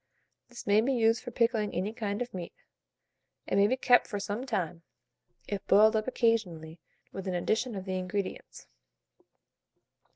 This may be used for pickling any kind of meat, and may be kept for some time, if boiled up occasionally with an addition of the ingredients.